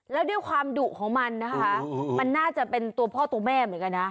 แล้วด้วยความดุของมันนะคะมันน่าจะเป็นตัวพ่อตัวแม่เหมือนกันนะ